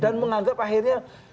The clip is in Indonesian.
dan menganggap akhirnya